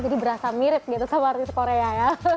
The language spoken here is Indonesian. jadi berasa mirip gitu sama artis korea ya